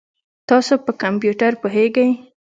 تاسو په کمپیوټر پوهیږئ؟